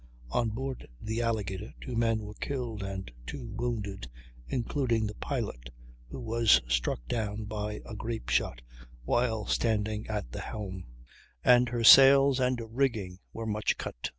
On board the Alligator two men were killed and two wounded, including the pilot, who was struck down by a grape shot while standing at the helm; and her sails and rigging were much cut.